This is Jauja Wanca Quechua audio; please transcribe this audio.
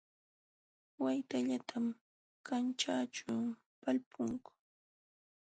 Waytallatam kanćhaaćhu talpukuu